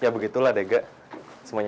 ya begitulah dega semuanya